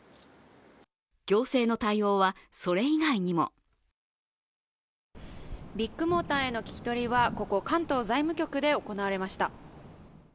行政の対応はそれ以外にもビッグモーターへの聞き取りはここ関東財務局で行われました。